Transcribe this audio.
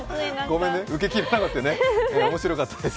ごめんね、受けきれなかったよね、面白かったです？